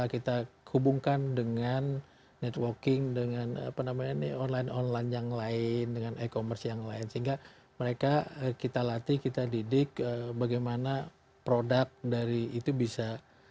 kita hubungkan dengan networking dengan apa namanya online online yang lain dengan e commerce yang lain sehingga mereka kita latih kita didik bagaimana produk dari itu bisa